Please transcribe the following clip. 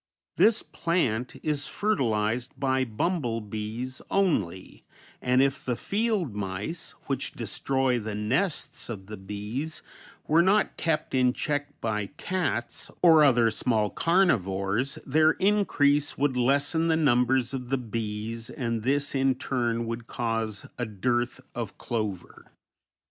This plant is fertilized by bumble bees only, and if the field mice, which destroy the nests of the bees, were not kept in check by cats, or other small carnivores, their increase would lessen the numbers of the bees and this in turn would cause a dearth of clover.